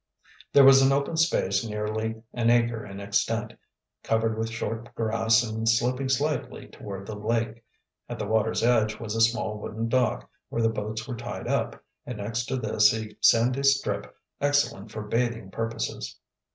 There was an open space nearly an acre in extent, covered with short grass and sloping slightly toward the lake. At the water's edge was a small wooden dock, where the boats were tied up, and next to this a sandy strip excellent for bathing purposes.